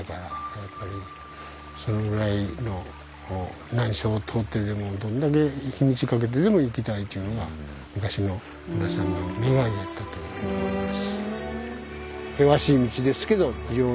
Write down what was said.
やっぱりそのぐらいの難所を通ってでもどんだけ日にちかけてでも行きたいというのが昔の皆さんの願いやったと思います。